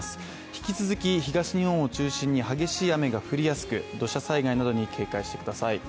引き続き東日本を中心に激しい雨が降りやすく土砂災害などに警戒してください。